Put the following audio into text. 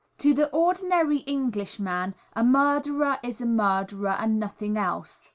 To the ordinary Englishman a murderer is a murderer and nothing else.